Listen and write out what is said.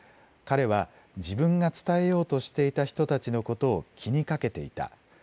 彼は自分が伝えようとしていた人たちのことを気にかけていた。